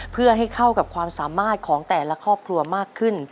เพื่อให้เข้ากับความสามารถของแต่ละครอบครัวมากขึ้น